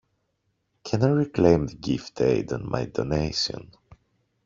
Can I reclaim the gift aid on my donation?